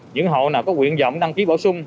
những hộ nào có nguyện dọng đăng ký bổ sung